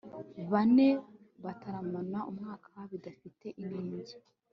bane bataramara umwaka bidafite inenge